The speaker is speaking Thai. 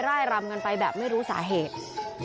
ร่ายรำกันไปแบบไม่รู้สาเหตุ